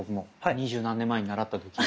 二十何年前に習った時。